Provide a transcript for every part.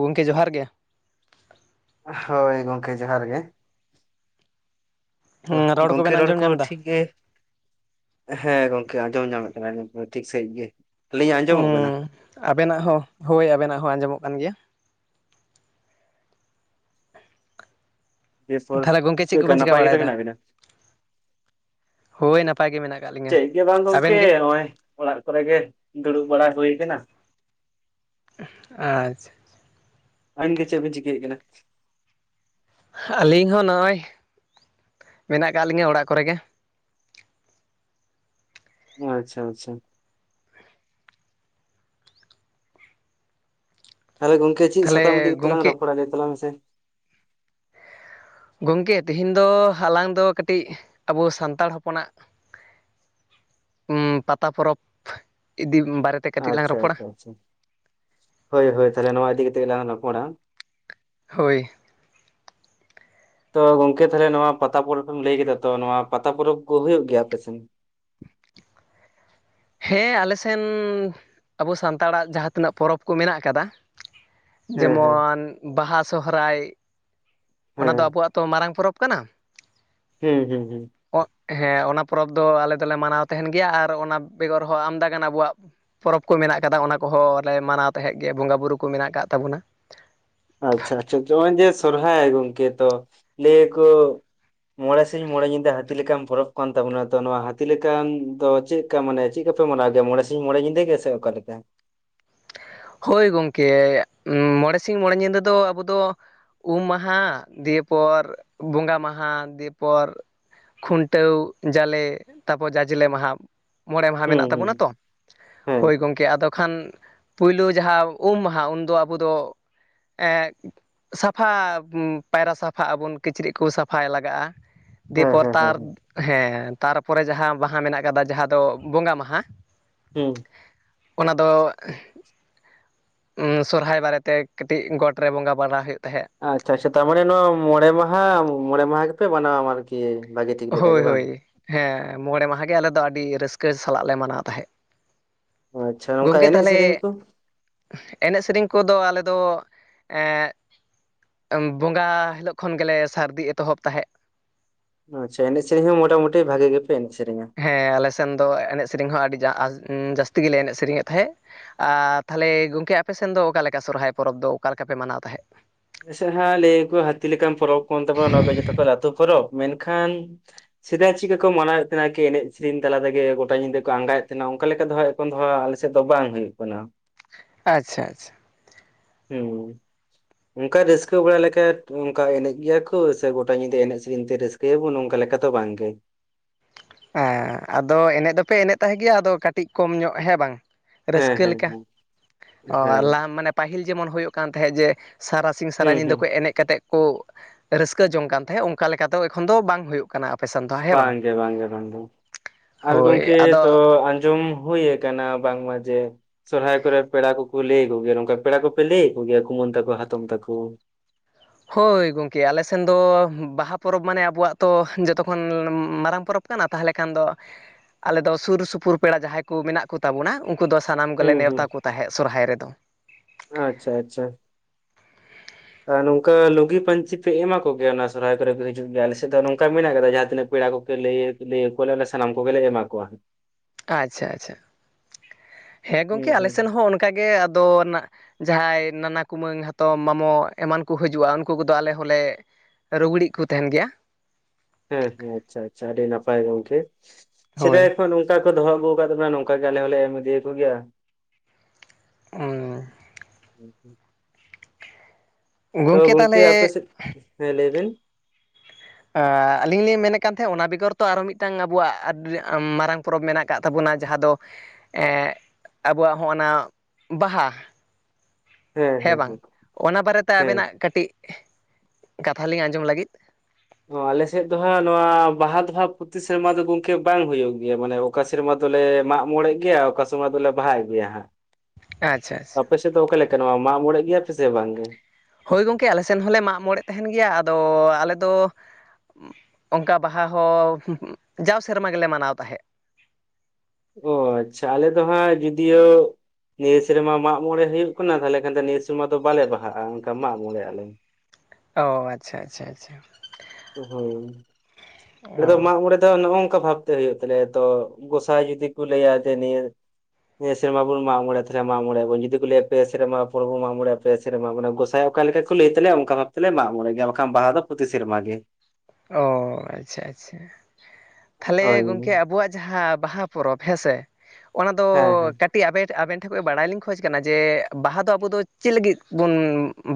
ᱜᱚᱝᱠᱮ ᱡᱚᱦᱟᱨ ᱜᱮ᱾ ᱦᱚᱭ ᱜᱚᱝᱠᱮ ᱡᱚᱦᱟᱨ ᱜᱮ᱾ ᱛᱚᱦ ᱨᱚᱲ ᱜᱚᱝᱠᱮ ᱠᱚᱵᱮᱱ ᱨᱚᱲ ᱟᱸᱡᱚᱢ ᱠᱩ ᱧᱟᱢ ᱮᱫᱟ ᱴᱷᱤᱠ ᱜᱮ ᱦᱮᱸ ᱜᱚᱝᱠᱮ ᱟᱸᱡᱚᱢ ᱧᱟᱢᱮᱜ ᱠᱟᱱᱟ ᱞᱤᱧ ᱯᱩᱨᱟᱹ ᱴᱷᱤᱠ ᱥᱟᱺᱦᱤᱡ ᱜᱮ, ᱟᱹᱞᱤᱧᱟᱜ ᱟᱸᱡᱚᱢᱚᱜ ᱠᱟᱱᱟ? ᱟᱵᱮᱱᱟᱜ ᱦᱚᱸ ᱦᱚᱭ ᱟᱵᱮᱱᱟᱜ ᱦᱚᱸ ᱟᱸᱡᱚᱢᱚᱜ ᱠᱟᱱ ᱜᱮᱭᱟ᱾ ᱫᱤᱭᱮᱯᱚᱨ ᱛᱷᱟᱞᱮ ᱜᱚᱝᱠᱮ ᱪᱮᱫ ᱪᱮᱜ ᱞᱮᱠᱟ ᱠᱚᱵᱮᱱ ᱪᱤᱠᱟ ᱱᱟᱯᱟᱭ ᱜᱮᱛᱚ ᱵᱟᱲᱟᱭᱮᱫᱟ? ᱢᱮᱱᱟᱜ ᱵᱤᱱᱟ ᱦᱚᱭ ᱱᱟᱯᱟᱭ ᱜᱮ ᱢᱮᱱᱟᱜ ᱟᱠᱟᱫ ᱞᱤᱧᱟᱹ ᱪᱮᱜ ᱜᱮ ᱵᱟᱝ ᱟᱵᱮᱱ ᱜᱚᱝᱠᱮ ᱜᱮ ᱱᱚᱜ-ᱚᱸᱭ ᱚᱲᱟᱜ ᱠᱚᱨᱮ ᱜᱮ ᱫᱩᱲᱩᱵ ᱵᱟᱲᱟ ᱦᱩᱭ ᱠᱟᱱᱟ᱾ ᱟᱸᱦ ᱟᱪᱪᱷᱟ᱾ ᱟᱹᱧ ᱜᱮ ᱪᱮᱜ ᱵᱤᱱ ᱪᱤᱠᱟᱹᱭᱮᱜ ᱠᱟᱱᱟ? ᱟᱹᱞᱤᱧ ᱦᱚᱸ ᱱᱚᱜ-ᱚᱭ ᱢᱮᱱᱟᱜ ᱟᱠᱟᱜ ᱞᱤᱝᱟ ᱚᱲᱟᱜ ᱠᱚᱨᱮ ᱜᱮ᱾ ᱟᱪᱪᱷᱟ ᱟᱪᱪᱷᱟ᱾ ᱛᱟᱦᱞᱮ ᱜᱚᱝᱠᱮ ᱪᱤᱜ ᱥᱟᱛᱟᱢ ᱤᱫᱤ ᱛᱟᱦᱚᱞᱮ ᱠᱟᱛᱮ ᱞᱟᱝ ᱜᱚᱝᱠᱮ ᱨᱚᱯᱚᱲᱟ ᱞᱟᱹᱭ ᱛᱟᱞᱟᱝ ᱢᱮ ᱥᱮ? ᱜᱚᱝᱠᱮ ᱛᱤᱦᱤᱧ ᱫᱚ ᱦᱟᱞᱟᱝ ᱫᱚ ᱠᱟᱹᱴᱤᱡ ᱟᱵᱚ ᱥᱟᱱᱛᱟᱲ ᱦᱚᱯᱚᱱᱟᱜᱼᱼ ᱩᱢ ᱯᱟᱛᱟ ᱯᱚᱨᱚᱯ ᱤᱫᱤᱢ ᱵᱟᱨᱮᱛᱼᱼ ᱟᱪᱪᱷᱟ ᱟᱪᱷᱟ ᱟᱪᱷᱟ ᱦᱳᱭ ᱦᱳᱭ ᱛᱟᱦᱞᱮ ᱱᱚᱣᱟ ᱤᱫᱤ ᱠᱟᱛᱮᱜ ᱜᱮ ᱨᱚᱯᱚᱲᱟ᱾ ᱦᱳᱭ [inaudible] ᱛᱚ ᱜᱚᱝᱠᱮ ᱛᱟᱦᱚᱞᱮ ᱱᱚᱣᱟ ᱯᱟᱛᱟ ᱯᱚᱨᱚᱵᱽ ᱮᱢ ᱞᱟᱹᱭ ᱠᱮᱫᱟ ᱛᱚ ᱱᱚᱣᱟ ᱯᱟᱛᱟ ᱯᱚᱨᱚᱵᱽ ᱠᱚ ᱦᱩᱭᱩᱜ ᱜᱮᱭᱟ ᱟᱯᱮᱥᱮᱱ ᱦᱮᱸ ᱟᱞᱮ ᱥᱮᱱ ᱟᱵᱚ ᱥᱟᱱᱛᱟᱲᱟᱜ ᱡᱟᱦᱟᱸ ᱛᱤᱱᱟᱹᱜ ᱯᱚᱨᱚᱵᱽ ᱠᱚ ᱢᱮᱱᱟᱜ ᱠᱟᱫᱟ ᱦᱮᱸ ᱦᱮᱸ ᱡᱮᱢᱚᱱ ᱵᱟᱦᱟ ᱥᱚᱦᱨᱟᱭ ᱚᱱᱟ ᱫᱚ ᱦᱮᱸ ᱟᱵᱚᱣᱟᱜ ᱛᱚ ᱢᱟᱨᱟᱝ ᱯᱚᱨᱚᱵᱽ ᱠᱟᱱᱟ᱾ ᱦᱩᱸ ᱦᱩᱸ ᱦᱩᱸ ᱦᱮᱸ ᱚᱱᱟ ᱯᱚᱨᱚᱵᱽ ᱫᱚ ᱟᱞᱮ ᱫᱚᱞᱮ ᱢᱟᱱᱟᱣ ᱛᱟᱦᱮᱱ ᱜᱮᱭᱟ ᱟᱨ ᱚᱱᱟ ᱵᱮᱜᱚᱨ ᱦᱚᱸ ᱟᱢᱫᱟ ᱜᱟᱱ ᱟᱵᱚᱣᱟᱜ ᱯᱚᱨᱚᱵᱽ ᱠᱚ ᱢᱮᱱᱟᱜ ᱟᱠᱟᱫᱟ ᱚᱱᱟ ᱠᱚᱦᱚᱸ ᱞᱮ ᱢᱟᱱᱟᱣ ᱛᱟᱦᱮᱸᱫ ᱜᱮ ᱵᱚᱸᱜᱟ ᱵᱩᱨᱩ ᱠᱚ ᱢᱮᱱᱟᱜ ᱟᱠᱟᱫ ᱛᱟᱵᱚᱱᱟ᱾ ᱟᱪᱪᱷᱟ ᱟᱪᱪᱷᱟ ᱱᱚᱜᱼᱚᱭ ᱡᱮ ᱥᱚᱨᱦᱟᱭ ᱜᱚᱝᱠᱮ ᱛᱚ ᱞᱟᱹᱭ ᱟᱠᱚᱼᱼ ᱢᱚᱬᱮ ᱥᱤᱧ ᱢᱚᱬᱮ ᱧᱤᱫᱟᱹ ᱦᱟᱹᱛᱤ ᱞᱮᱠᱟᱱ ᱯᱚᱨᱚᱵᱽ ᱠᱟᱱ ᱛᱟᱵᱚᱱᱟ ᱛᱚ ᱱᱚᱣᱟ ᱦᱟᱛᱤ ᱞᱮᱠᱟᱱ ᱫᱚ ᱪᱮᱜ? ᱠᱟ ᱢᱟᱱᱮ ᱪᱮᱫ ᱠᱟ ᱯᱮ ᱢᱟᱱᱟᱣ ᱜᱮᱭᱟ ᱢᱚᱬᱮ ᱥᱤᱧ ᱢᱚᱬᱮ ᱧᱤᱫᱟᱹ ᱜᱮᱥᱮ ᱚᱠᱟᱞᱮᱠᱟ? ᱦᱳᱭ ᱜᱚᱢᱠᱮ ᱢᱚᱬᱮ ᱥᱤᱧ ᱢᱚᱬᱮ ᱧᱤᱫᱟᱹ ᱫᱚ ᱟᱵᱚ ᱫᱚ ᱩᱢ ᱢᱟᱦᱟ ᱫᱤᱭᱮᱯᱚᱨ ᱵᱚᱸᱜᱟ ᱢᱟᱦᱟ ᱫᱤᱭᱮᱯᱚᱨ ᱠᱷᱩᱱᱴᱟᱹᱣ ᱡᱟᱞᱮ ᱛᱟᱯᱚᱨ ᱡᱟᱡᱽᱞᱮ ᱢᱟᱦᱟ ᱢᱚᱬᱮ ᱢᱟᱦᱟ ᱦᱩᱸ ᱢᱮᱱᱟᱜ ᱦᱩᱸ ᱛᱟᱵᱚᱱᱟ ᱛᱚ ᱦᱮᱸ ᱦᱳᱭ ᱜᱚᱢᱠᱮ ᱟᱫᱚ ᱠᱷᱟᱱ ᱯᱩᱭᱞᱩ ᱡᱟᱦᱟᱸ ᱩᱢ ᱢᱟᱦᱟ ᱩᱱᱫᱚ ᱟᱵᱚ ᱫᱚ ᱮᱜᱼᱼ ᱥᱟᱯᱷᱟ ᱯᱟᱭᱨᱟ ᱥᱟᱯᱷᱟᱜ ᱟᱵᱚᱱ ᱠᱤᱪᱨᱤᱡ ᱠᱚ ᱥᱟᱯᱷᱟᱭ ᱞᱟᱜᱟᱜᱼᱟ᱾ ᱦᱮᱸ ᱫᱤᱭᱮᱯᱚᱨ ᱦᱮᱸ ᱦᱮᱸ ᱛᱟᱨ ᱦᱮᱸ ᱦᱮᱸ ᱛᱟᱨᱯᱚᱨᱮ ᱡᱟᱦᱟᱸ ᱵᱟᱦᱟ ᱢᱮᱱᱟᱜ ᱠᱟᱫᱟ ᱡᱟᱦᱟᱸ ᱫᱚ ᱵᱚᱸᱜᱟ ᱢᱟᱦᱟ᱾ ᱦᱩᱸ ᱚᱱᱟ ᱫᱚ ᱥᱚᱨᱦᱟᱭ ᱵᱟᱨᱮᱛᱮ ᱠᱟᱹᱴᱤᱡ ᱜᱚᱴ ᱨᱮ ᱵᱚᱸᱜᱟ ᱵᱟᱲᱟ ᱦᱩᱭᱩᱜ ᱛᱟᱦᱮᱸᱫ᱾ ᱟᱪᱪᱷᱟ ᱟᱪᱪᱷᱟ ᱛᱟᱨᱢᱟᱱᱮ ᱱᱚᱣᱟ ᱢᱚᱬᱮ ᱢᱟᱦᱟ ᱢᱚᱬᱮ ᱢᱟᱦᱟ ᱜᱮᱯᱮ ᱢᱟᱱᱟᱣᱟ ᱟᱨᱠᱤ ᱤᱭᱟᱹ ᱵᱷᱟᱜᱮ [unintelligible] ᱦᱳᱭ ᱦᱳᱭ ᱦᱮᱸ ᱢᱚᱬᱮ ᱢᱟᱦᱟ ᱜᱮ ᱟᱞᱮ ᱫᱚ ᱟᱹᱰᱤ ᱨᱟᱹᱥᱠᱟᱹ ᱥᱟᱞᱟᱜ ᱞᱮ ᱢᱟᱱᱟᱣ ᱛᱟᱦᱮᱸᱫ᱾ ᱟᱪᱪᱷᱟ ᱱᱚᱝᱠᱟ ᱜᱚᱝᱠᱮ ᱮᱱᱮᱡ ᱛᱟᱞᱦᱮ ᱥᱮᱨᱮᱧ ᱠᱚ ᱮᱱᱮᱡ ᱥᱮᱨᱮᱧ ᱠᱚᱫᱚ ᱟᱞᱮᱫᱚ ᱮᱸᱜ ᱵᱚᱸᱜᱟ ᱦᱤᱞᱳᱜ ᱠᱷᱚᱱ ᱜᱮᱞᱮ ᱥᱟᱹᱨᱫᱤ ᱮᱛᱚᱦᱚᱵ ᱛᱟᱦᱮᱸᱫ᱾ ᱟᱪᱪᱷᱟ ᱮᱱᱮᱡ ᱥᱮᱨᱮᱧ ᱦᱚᱸ ᱢᱚᱴᱟᱢᱩᱴᱤ ᱵᱷᱟᱜᱤ ᱜᱮᱯᱮ ᱮᱱᱮᱡ ᱥᱮᱨᱮᱧᱟ ᱦᱮᱸ ᱟᱞᱮᱥᱮᱱ ᱫᱚ ᱮᱱᱮᱡ ᱥᱮᱨᱮᱧ ᱦᱚᱸ ᱟᱹᱰᱤ ᱡᱟᱹᱥᱛᱤ ᱜᱮᱞᱮ ᱮᱱᱮᱡ ᱥᱮᱨᱮᱧᱮᱫ ᱛᱟᱦᱮᱸᱫ ᱟᱨ ᱛᱟᱦᱞᱮ ᱜᱚᱢᱠᱮ ᱟᱯᱮᱥᱮᱱ ᱫᱚ ᱚᱠᱟᱞᱮᱠᱟ ᱥᱚᱨᱦᱟᱭ ᱯᱚᱨᱚᱵᱽ ᱫᱚ ᱚᱠᱟ ᱞᱮᱠᱟ ᱯᱮ ᱢᱟᱱᱟᱣ ᱛᱟᱦᱮᱸᱫ? ᱥᱮ ᱦᱟᱜ ᱞᱟ. ᱭ ᱟᱠᱚ ᱦᱟᱛᱤ ᱞᱮᱠᱟᱱ ᱯᱚᱨᱚᱵ ᱠᱟᱱ ᱛᱟᱵᱚᱱᱟ ᱱᱚᱣᱟ ᱜᱮ ᱡᱷᱚᱛᱚ ᱠᱷᱚᱱ ᱞᱟᱴᱩ ᱯᱚᱨᱚᱵ ᱢᱮᱱᱠᱦᱟᱱ ᱥᱮᱫᱟᱭ ᱪᱮᱫ ᱠᱟᱠᱚ ᱢᱟᱱᱟᱣ ᱮᱫ ᱛᱟᱦᱮᱱᱟ ᱠᱤ ᱮᱱᱮᱡ ᱥᱮᱨᱮᱧ ᱛᱟᱞᱟ ᱛᱮᱜᱮ ᱜᱚᱴᱟ ᱧᱤᱫᱟᱹ ᱠᱚ ᱟᱸᱜᱟᱭᱮᱫ ᱛᱟᱦᱮᱱᱟ ᱚᱱᱠᱟ ᱞᱮᱠᱟ ᱫᱚ ᱦᱟᱜ ᱮᱠᱷᱚᱱ ᱫᱚ ᱟᱞᱮᱥᱮᱫ ᱫᱚ ᱵᱟᱝ ᱦᱩᱭᱩᱜ ᱠᱟᱱᱟ᱾ ᱟᱪᱪᱷᱟ ᱟᱪᱪᱷᱟ ᱦᱩᱸ ᱚᱱᱠᱟ ᱨᱟᱹᱥᱠᱟᱹ ᱵᱟᱲᱟ ᱞᱮᱠᱟ ᱚᱱᱠᱟ ᱮᱱᱮᱡ ᱜᱮᱭᱟ ᱠᱚ ᱥᱮ ᱜᱚᱴᱟ ᱧᱤᱫᱟᱹ ᱮᱱᱮᱡ ᱥᱮᱨᱮᱧ ᱛᱮ ᱨᱟᱹᱥᱠᱟᱹ ᱛᱮᱵᱩ ᱱᱚᱝᱠᱟ ᱞᱮᱠᱟ ᱛᱚ ᱵᱟᱝᱜᱮ ᱦᱮᱸ ᱟᱫᱚ ᱮᱱᱮᱡ ᱫᱚᱯᱮ ᱮᱱᱮᱡ ᱛᱟᱦᱮᱸᱜ ᱜᱮᱭᱟ ᱟᱫᱚ ᱠᱟᱹᱴᱤᱡ ᱠᱚᱢ ᱧᱚᱜ ᱦᱮᱸ ᱵᱟᱝ ᱦᱮᱸ ᱦᱮᱸ ᱦᱮᱸ ᱳ ᱦᱮᱸ ᱞᱟᱦᱟ ᱢᱟᱱᱮ ᱯᱟᱹᱦᱤᱞ ᱡᱮᱢᱚᱱ ᱦᱩᱭᱩᱜ ᱠᱟᱱ ᱛᱟᱦᱮᱸᱫ ᱡᱮ ᱥᱟᱨᱟᱥᱤᱧ ᱥᱟᱨᱟ ᱦᱩᱸ ᱧᱤᱫᱟᱹ ᱦᱩᱸ ᱠᱚ ᱮᱱᱮᱡ ᱠᱟᱛᱮᱫ ᱳ ᱨᱟᱹᱥᱠᱟᱹ ᱡᱚᱝ ᱠᱟᱱ ᱛᱟᱦᱮᱸᱱ ᱚᱱᱠᱟ ᱞᱮᱠᱟ ᱫᱚ ᱮᱠᱷᱚᱱ ᱫᱚ ᱵᱟᱝ ᱦᱩᱭᱩᱜ ᱠᱟᱱᱟ ᱟᱯᱮᱥᱮᱱ ᱫᱚ ᱦᱮᱸ ᱵᱟᱝ ᱵᱟᱝᱜᱮ ᱵᱟᱝᱜᱮ ᱟᱨ ᱦᱳᱭ ᱜᱚᱢᱠᱮ ᱛᱚ ᱟᱫᱚ ᱟᱸᱡᱚᱢ ᱦᱩᱭ ᱠᱟᱱᱟ ᱵᱟᱝᱢᱟ ᱡᱮ ᱥᱚᱨᱦᱟᱭ ᱠᱚᱨᱮ ᱯᱮᱲᱟ ᱠᱚᱠᱚ ᱞᱟᱹᱭ ᱟᱠᱚᱜᱮᱭᱟ ᱱᱚᱝᱠᱟ ᱯᱮᱲᱟ ᱠᱚᱯᱮ ᱞᱟᱹᱭ ᱟᱠᱚ ᱜᱮᱭᱟ ᱠᱩᱢᱟᱹᱝ ᱛᱟᱠᱚ ᱦᱟᱛᱚᱢ ᱛᱟᱠᱚ ᱦᱳᱭ ᱜᱚᱢᱠᱮ ᱟᱞᱮᱥᱮᱱ ᱫᱚ ᱵᱟᱦᱟ ᱯᱚᱨᱚᱵᱽ ᱢᱟᱱᱮ ᱟᱵᱚᱣᱟᱜ ᱛᱚ ᱡᱚᱛᱚ ᱠᱷᱚᱱ ᱢᱟᱨᱟᱝ ᱯᱚᱨᱚᱵᱽ ᱠᱟᱱᱟ ᱛᱟᱦᱚᱞᱮ ᱠᱷᱟᱱ ᱫᱚ ᱟᱞᱮ ᱫᱚ ᱥᱩᱨ ᱥᱩᱯᱩᱨ ᱯᱮᱲᱟ ᱡᱟᱦᱟᱸᱭ ᱠᱚ ᱢᱮᱱᱟᱜ ᱠᱚᱛᱟᱵᱚᱱᱟ ᱩᱱᱠᱩ ᱩᱱᱠᱩ ᱫᱚ ᱥᱟᱱᱟᱢ ᱜᱮᱞᱮ ᱦᱩᱸ ᱦᱩᱸ ᱱᱮᱣᱛᱟ ᱠᱚ ᱛᱟᱦᱮᱸᱫ ᱥᱚᱨᱦᱟᱭ ᱨᱮᱫᱚ᱾ ᱟᱪᱪᱷᱟ ᱟᱪᱪᱷᱟ ᱟᱨ ᱱᱚᱝᱠᱟ ᱞᱩᱜᱤ ᱯᱟᱹᱧᱪᱤ ᱯᱮ ᱮᱢᱟ ᱠᱚᱜᱮᱭᱟ᱾ᱚᱱᱟ ᱥᱚᱨᱦᱟᱭ ᱠᱚᱨᱮ ᱯᱮ ᱦᱤᱡᱩᱜ ᱜᱮᱭᱟ ᱟᱞᱮᱥᱮᱫ ᱫᱚ ᱱᱚᱝᱠᱟ ᱢᱮᱱᱟᱜ ᱠᱟᱫᱟ ᱡᱟᱦᱟᱸ ᱛᱤᱱᱟᱹᱜ ᱯᱮᱲᱟ ᱠᱚᱜᱮ ᱞᱟᱹᱭ ᱞᱟᱹᱭ ᱟᱠᱚᱣᱟᱞᱮ ᱥᱟᱱᱟᱢ ᱠᱚᱜᱮᱞᱮ ᱮᱢᱟ ᱠᱚᱣᱟ᱾ ᱟᱪᱪᱷᱟ ᱟᱪᱪᱷᱟ᱾ᱦᱮᱸ ᱦᱩᱸ ᱜᱚᱝᱠᱮ ᱟᱞᱮ ᱦᱩᱸ ᱥᱮᱱ ᱦᱚᱸ ᱚᱱᱠᱟ ᱜᱮ ᱟᱫᱚ ᱱᱟᱜ ᱡᱟᱦᱟᱸᱭ ᱱᱟᱱᱟ ᱠᱩᱢᱟᱹᱝ ᱦᱟᱛᱚᱢ ᱢᱟᱢᱚ ᱮᱢᱟᱱ ᱠᱚ ᱦᱤᱡᱩᱜᱼᱟ᱾ ᱩᱱᱠᱩ ᱠᱚᱫᱚ ᱟᱞᱮ ᱦᱚᱞᱮ ᱨᱩᱜᱽᱲᱤᱡ ᱠᱚ ᱛᱟᱦᱮᱱ ᱜᱮᱭᱟ᱾ ᱦᱮᱸ ᱦᱮᱸ ᱟᱪᱪᱷᱟ ᱟᱪᱪᱷᱟ᱾ᱟᱹᱰᱤ ᱱᱟᱯᱟᱭ ᱜᱚᱝᱠᱮ ᱥᱮᱫᱟᱭ ᱦᱳᱭ ᱠᱷᱚᱱ ᱚᱱᱠᱟ ᱠᱚ ᱫᱚᱦᱚ ᱟᱹᱜᱩ ᱟᱠᱟᱫ ᱵᱚᱱᱟ ᱱᱚᱝᱠᱟ ᱜᱮ ᱟᱞᱮ ᱦᱚᱸᱞᱮ ᱮᱢ ᱤᱫᱤᱭᱟ ᱠᱚ ᱜᱮᱭᱟ᱾ [inaudible] ᱛᱚ ᱜᱚᱝᱠᱮ ᱟᱯᱮ ᱥᱮᱫ [inaudible] ᱦᱮᱸ ᱞᱟᱹᱭ ᱵᱤᱱ ᱟᱹᱞᱤᱧ ᱞᱤᱧ ᱢᱮᱱᱮᱫ ᱠᱟᱱ ᱛᱟᱦᱮᱸᱫ, ᱚᱱᱟ ᱵᱮᱜᱚᱨ ᱛᱚ ᱟᱨᱚ ᱢᱤᱫᱴᱟᱝ ᱟᱵᱚᱣᱟᱜ ᱢᱟᱨᱟᱝ ᱯᱚᱨᱚᱵᱽ ᱢᱮᱱᱟᱜ ᱟᱠᱟᱫ ᱛᱟᱵᱚᱱᱟ ᱡᱟᱦᱟᱸ ᱫᱚ ᱟᱵᱚᱣᱟᱜ ᱦᱚᱸᱜᱼ ᱱᱟ ᱵᱟᱦᱟ ᱦᱮᱸ ᱵᱟᱝ? ᱚᱱᱟ ᱵᱟᱨᱮᱛᱮ ᱦᱮᱸ ᱟᱵᱮᱱᱟᱜ ᱠᱟᱹᱴᱤᱡ ᱠᱟᱛᱷᱟ ᱞᱤᱧ ᱟᱸᱡᱚᱢ ᱞᱟᱹᱜᱤᱫ ᱚ ᱟᱞᱮᱥᱮᱫ ᱫᱚ ᱦᱟᱸᱜ ᱱᱚᱣᱟ ᱵᱟᱦᱟ ᱫᱚ ᱦᱟᱸᱜ ᱯᱚᱛᱤ ᱥᱮᱨᱢᱟ ᱫᱚ ᱜᱚᱝᱠᱮ ᱵᱟᱝ ᱦᱩᱭᱩᱜ ᱜᱮᱭᱟ᱾ ᱢᱟᱱᱮ ᱚᱠᱟ ᱥᱮᱨᱢᱟ ᱫᱚᱞᱮ ᱢᱟᱜᱽ ᱢᱚᱬᱮ ᱜᱮᱭᱟ᱾ ᱚᱠᱟ ᱥᱮᱨᱢᱟ ᱫᱚᱞᱮ ᱵᱟᱦᱟ ᱜᱮᱭᱟ ᱦᱟᱸᱜ᱾ ᱟᱪᱪᱷᱟ ᱟᱪᱪᱷᱟ᱾ ᱟᱯᱮᱥᱮᱫ ᱫᱚ ᱚᱠᱟ ᱞᱮᱠᱟ ᱢᱟᱜᱽ ᱢᱚᱬᱮ ᱜᱮᱭᱟ ᱯᱮ? ᱥᱮ ᱵᱟᱝ ᱜᱮ ᱦᱳᱭ ᱜᱚᱢᱠᱮ ᱟᱞᱮ ᱥᱮᱱ ᱦᱚᱸᱞᱮ ᱢᱟᱜᱽ ᱢᱚᱬᱮ ᱛᱟᱦᱮᱱ ᱜᱮᱭᱟ᱾ ᱟᱫᱚ ᱟᱞᱮ ᱫᱚ ᱚᱱᱠᱟ ᱵᱟᱦᱟ ᱦᱚᱸ ᱡᱟᱣ ᱥᱮᱨᱢᱟ ᱜᱮᱞᱮ ᱢᱟᱱᱟᱣ ᱛᱟᱦᱮᱸᱫ᱾ ᱚ ᱟᱪᱪᱷᱟ᱾ ᱟᱞᱮ ᱫᱚ ᱦᱟᱸᱜ ᱡᱩᱫᱤᱭᱳ ᱱᱤᱭᱟᱹ ᱥᱮᱨᱢᱟ ᱢᱟᱜᱽ ᱢᱚᱬᱮ ᱦᱩᱭᱩᱜ ᱠᱟᱱᱟ ᱛᱟᱦᱚᱞᱮ ᱠᱷᱟᱱ ᱫᱚ ᱱᱤᱭᱟᱹ ᱥᱮᱨᱢᱟ ᱫᱚ ᱵᱟᱞᱮ ᱵᱟᱦᱟᱜᱼᱟ᱾ ᱚᱱᱠᱟ ᱢᱟᱜᱽ ᱢᱚᱬᱮ ᱟᱞᱮ‌ ᱚᱻ ᱟᱪᱪᱷᱟ ᱟᱪᱪᱷᱟ ᱟᱪᱪᱷᱟ ᱦᱳᱭ᱾ᱟᱞᱮ ᱚ ᱫᱚ ᱢᱟᱜᱽ ᱢᱚᱬᱮ ᱫᱚ ᱱᱚᱝᱠᱟ ᱵᱷᱟᱵ ᱛᱮ ᱦᱩᱭᱩᱜ ᱛᱟᱞᱮᱭᱟ ᱛᱚ᱾ ᱜᱚᱸᱥᱟᱭ ᱡᱩᱫᱤ ᱠᱚ ᱞᱟᱹᱭᱟ ᱡᱮ ᱱᱤᱭᱟᱹ ᱱᱤᱭᱟᱹ ᱥᱮᱨᱢᱟ ᱵᱚᱱ ᱢᱟᱜᱽ ᱢᱚᱬᱮ ᱛᱟᱦᱮᱸᱢᱟᱜᱽ ᱢᱚᱬᱮ ᱵᱚᱱ᱾ ᱡᱩᱫᱤ ᱞᱟᱹᱭᱟ ᱯᱮ ᱥᱮᱨᱢᱟ ᱯᱚᱨ ᱵᱚᱱ ᱢᱟᱜᱽ ᱢᱚᱬᱮ ᱯᱮ ᱥᱮᱨᱢᱟ ᱢᱟᱱᱮ ᱜᱚᱸᱥᱟᱸᱟᱭ ᱚᱠᱟ ᱞᱮᱠᱟ ᱠᱚ ᱞᱟᱹᱭ ᱛᱟᱞᱮ, ᱚᱱᱠᱟ ᱵᱷᱟᱵ ᱛᱮᱞᱮ ᱢᱟᱜᱽ ᱢᱚᱬᱮ ᱜᱮᱭᱟ᱾ ᱵᱟᱠᱷᱟᱱ ᱵᱟᱦᱟ ᱫᱚ ᱯᱚᱛᱤ ᱥᱮᱨᱢᱟ ᱜᱮ᱾ ᱚ ᱟᱪᱪᱷᱟ ᱟᱪᱪᱷᱟ᱾ ᱛᱟᱦᱚᱞᱮ ᱦᱳᱭ ᱜᱚᱝᱠᱮ ᱟᱵᱚᱣᱟᱜ ᱡᱟᱦᱟᱸ ᱵᱟᱦᱟ ᱯᱚᱨᱚᱵᱽ ᱦᱮᱸ ᱥᱮ ᱚᱱᱟ ᱫᱚ ᱦᱮᱸ ᱦᱮᱸ ᱠᱟ ᱠᱟᱹᱴᱤᱡ ᱟᱻᱟᱵᱮᱱ ᱴᱷᱮᱱ ᱠᱷᱚᱱ ᱵᱟᱲᱟᱭ ᱞᱤᱧ ᱠᱷᱚᱚᱡ ᱠᱟᱱᱟ᱾ᱡᱮ ᱵᱟᱦᱟ ᱫᱚ ᱟᱵᱚ ᱫᱚ ᱪᱮᱫ ᱞᱟᱹᱜᱤᱫ ᱵᱚᱱ